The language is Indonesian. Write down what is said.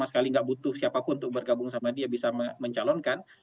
kalau sama sekali gak butuh siapapun untuk bergabung sama dia bisa mencalonkan